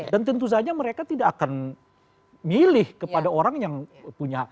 dan tentu saja mereka tidak akan milih kepada orang yang punya